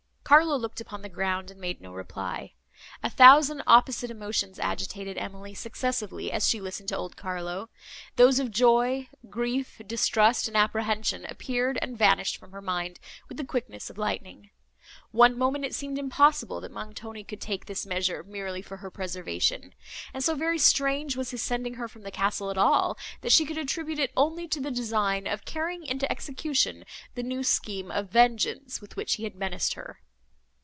Carlo looked upon the ground, and made no reply. A thousand opposite emotions agitated Emily, successively, as she listened to old Carlo; those of joy, grief, distrust and apprehension, appeared, and vanished from her mind, with the quickness of lightning. One moment, it seemed impossible, that Montoni could take this measure merely for her preservation; and so very strange was his sending her from the castle at all, that she could attribute it only to the design of carrying into execution the new scheme of vengeance, with which he had menaced her.